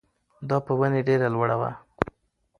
دا په ونې ډېره لوړه وه.